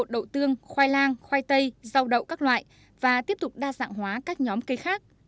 đậu tương khoai lang khoai tây rau đậu các loại và tiếp tục đa dạng hóa các nhóm cây khác